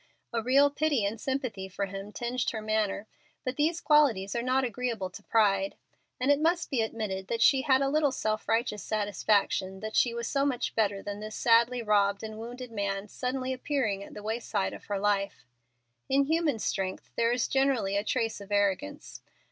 A real pity and sympathy for him tinged her manner, but these qualities are not agreeable to pride. And it must be admitted that she had a little self righteous satisfaction that she was so much better than this sadly robbed and wounded man suddenly appearing at the wayside of her life. In human strength there is generally a trace of arrogance.